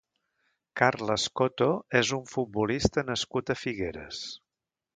Carlos Coto és un futbolista nascut a Figueres.